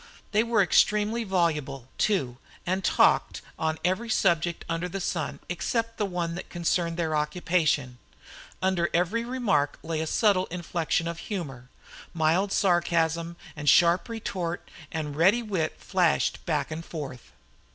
They were extremely voluble, too, and talked on every subject under the sun except the one that concerned their occupation. Under every remark lay a subtle inflection of humor. Mild sarcasm and sharp retort and ready wit flashed back and forth.